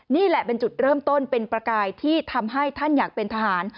นี่แหละเป็นจุดเริ่มต้นเป็นประกายที่ทำให้ท่านอยากเป็นทหาร